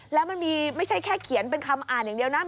แล้วมันมีไม่ใช่แค่เขียนเป็นคำอ่านอย่างเดียวนะ